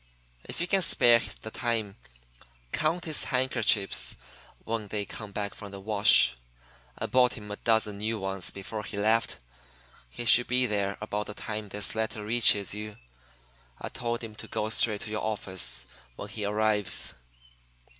"'If you can spare the time, count his handkerchiefs when they come back from the wash. I bought him a dozen new ones before he left. He should be there about the time this letter reaches you. I told him to go straight to your office when he arrives.'"